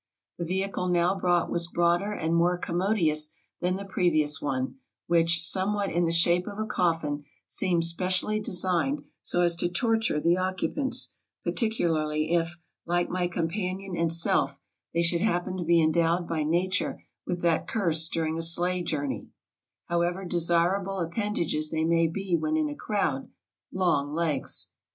The vehicle now brought was broader and more commodious than the previous one, which, somewhat in the shape of a coffin, seemed specially designed so as to torture the occupants, particularly if, like my companion and self, they should happen to be endowed by nature with that curse during a sleigh journey — however ASIA 303 desirable appendages they may be when in a crowd — long legs.